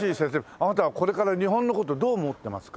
あなたはこれからの日本の事どう思ってますか？